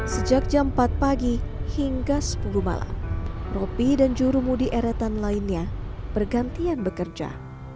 sejak jam empat pagi hingga sepuluh malam ropi dan jurumudi eretan lainnya bergantian bekerja